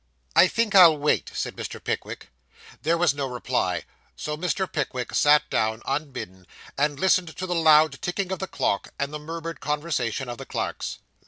'I think I'll wait,' said Mr. Pickwick. There was no reply; so Mr. Pickwick sat down unbidden, and listened to the loud ticking of the clock and the murmured conversation of the clerks.